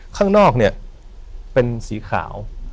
ข้างนอกเนี่ยเป็นสีขาว